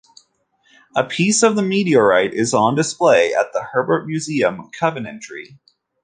A piece of the meteorite is on display at the Herbert Museum, Coventry.